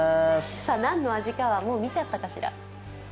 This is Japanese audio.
さあ、何の味かは、もう見ちゃったかしら。